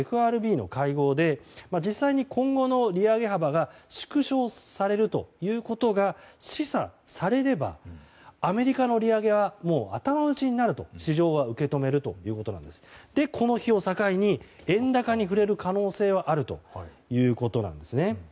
ＦＲＢの会合で実際に、今後の利上げ幅が縮小されるということが示唆されればアメリカの利上げはもう頭打ちになると市場は受け止めるということでこの日を境に円高に振れる可能性はあるということなんですね。